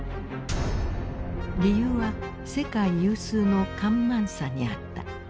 理由は世界有数の干満差にあった。